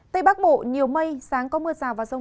tây bắc bộ nhiều mây sáng có mưa rào và rông rải ràng